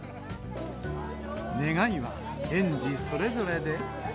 願いは園児それぞれで。